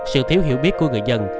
sự thiếu hiểu biết của người dân